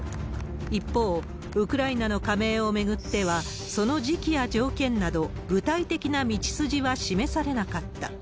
一方、ウクライナの加盟を巡っては、その時期や条件など、具体的な道筋は示されなかった。